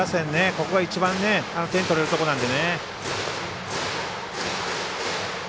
ここが一番点取れるところなので。